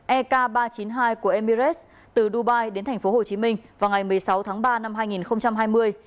ek ba trăm chín mươi hai của emirates từ dubai đến thành phố hồ chí minh vào ngày một mươi sáu tháng ba năm hai nghìn hai mươi